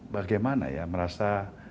bagaimana ya merasa